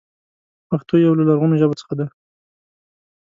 پښتو يو له لرغونو ژبو څخه ده.